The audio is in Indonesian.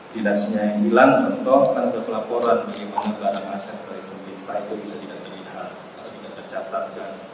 dinasnya yang hilang contoh tanpa pelaporan minimal barang aset dari pemerintah itu bisa tidak terlihat atau tidak tercatatkan